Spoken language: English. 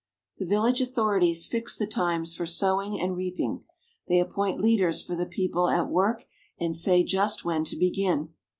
The village authorities fix the times for sowing and reaping ; they appoint leaders for the people at work and say just when to begin.